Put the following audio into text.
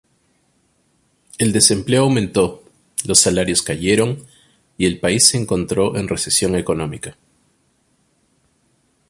El desempleo aumentó, los salarios cayeron y el país se encontró en recesión económica.